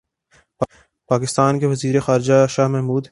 پاکستان کے وزیر خارجہ شاہ محمود